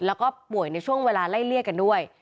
แล้วก็ป่วยในช่วงเวลาไล่เลี่ยกันด้วย